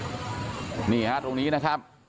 ผู้ผจญเพิงเนอะนี่ฮะตรงนี้นะครับ